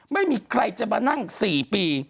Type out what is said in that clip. ไม่มีใครจะมานั่ง๔ปี